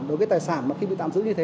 đối với tài sản mà khi bị tạm giữ như thế